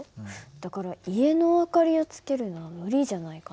だから家の明かりをつけるのは無理じゃないかな。